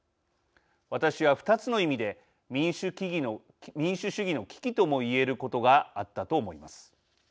私は２つの意味で民主主義の危機とも言えることがあったと思います。